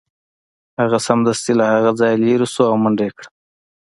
هغه سمدستي له هغه ځایه لیرې شو او منډه یې کړه